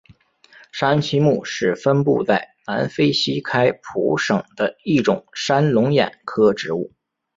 山栖木是分布在南非西开普省的一种山龙眼科植物。